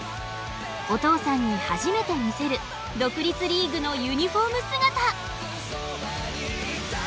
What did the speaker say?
お父さんに初めて見せる独立リーグのユニフォーム姿。